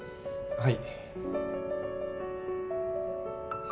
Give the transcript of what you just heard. はい。